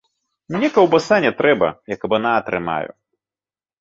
Мне каўбаса не трэба, я кабана трымаю!